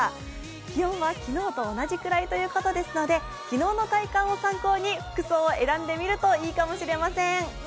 気温は昨日と同じぐらいということですので昨日の体感を参考に、服装を選んでみるといいかもしれません。